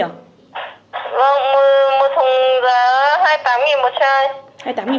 vâng một thùng giá hai mươi tám một chai